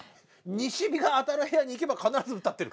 西陽が当たる部屋に行けば必ず歌ってる？